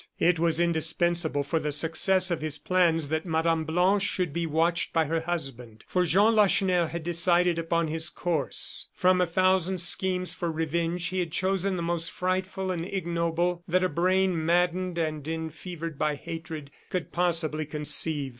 It was indispensable for the success of his plans that Mme. Blanche should be watched by her husband. For Jean Lacheneur had decided upon his course. From a thousand schemes for revenge he had chosen the most frightful and ignoble that a brain maddened and enfevered by hatred could possibly conceive.